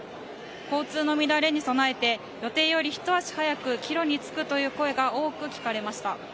交通の乱れに備えて予定よりひと足早く帰路に着くという声が多く聞かれました。